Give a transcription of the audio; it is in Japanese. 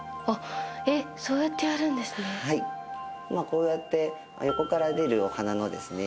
こうやって横から出るお花のですね